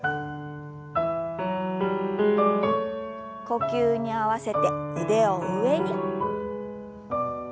呼吸に合わせて腕を上に。